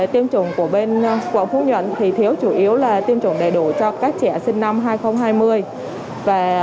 tiêm chủng của bên quận phú nhuận thì thiếu chủ yếu là tiêm chủng đầy đủ cho các trẻ sinh năm hai nghìn hai mươi